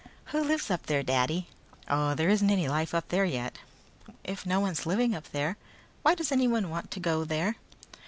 "Who lives up there, Daddy?" "Oh, there isn't any life up there yet." "If no one's living up there why does anyone want to go there?"